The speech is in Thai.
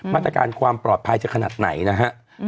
มาตรการความปลอดภัยจะขนาดไหนนะฮะ